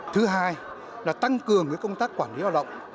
thứ hai là tăng cường công tác quản lý lao động